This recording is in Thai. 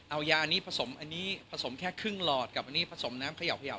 เอายานี้ผสมอันนี้ผสมแค่ครึ่งหลอดกับอันนี้ผสมน้ำเขย่า